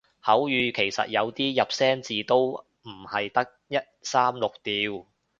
口語其實有啲入聲字都唔係得一三六調